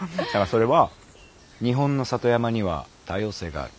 それは「日本の里山には多様性がある。